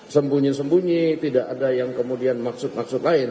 sembunyi sembunyi tidak ada yang kemudian maksud maksud lain